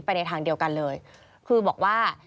ในทางเดียวกันเลยคือบอกว่า